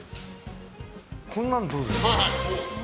こんなのどうですか？